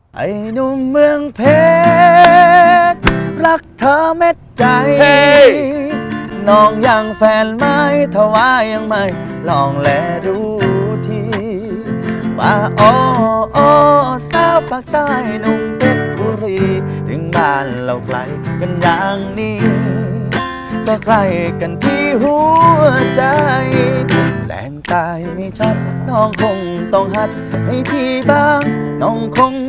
แหล่งตายไม่จัดน้องคงต้องหัดให้พี่บ้างน้องคงต้องสั่ง